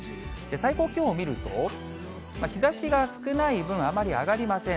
最高気温を見ると、日ざしが少ない分、あまり上がりません。